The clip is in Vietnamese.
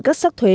các sắc thuế